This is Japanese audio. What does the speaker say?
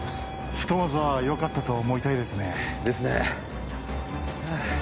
ひとまずはよかったと思いたいですねですね